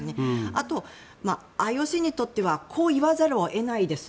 あとＩＯＣにとってはこう言わざるを得ないです。